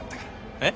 えっ？